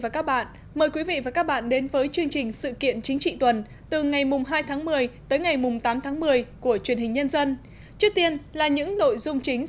cảm ơn các bạn đã theo dõi